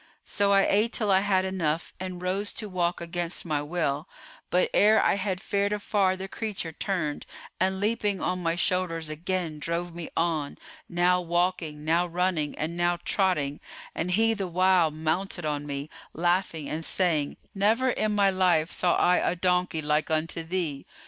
So I ate till I had enough and rose to walk against my will; but, ere I had fared afar the creature turned and leaping on my shoulders again drove me on, now walking, now running and now trotting, and he the while mounted on me, laughing and saying, 'Never in my life saw I a donkey like unto thee!